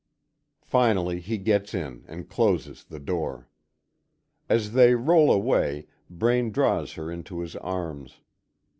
Finally he gets in, and closes the door. As they roll away, Braine draws her into his arms.